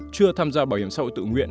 chưa tham gia bảo hiểm xã hội tự nguyện